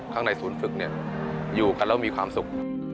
ข้างในศูนย์ฝึกเนี่ยอยู่กันแล้วมีความสุข